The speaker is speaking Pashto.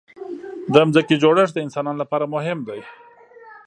د ځمکې جوړښت د انسانانو لپاره مهم دی.